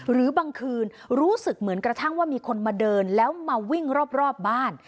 หรือบางคืนรู้สึกเหมือนกระทั่งว่ามีคนมาเดินแล้วมาวิ่งรอบบ้าน